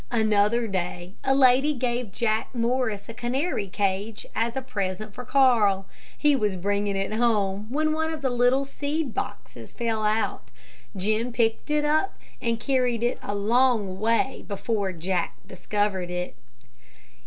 Another day, a lady gave Jack Morris a canary cage as a present for Carl. He was bringing it home, when one of the little seed boxes fell out. Jim picked it up and carried it a long way, before Jack discovered it.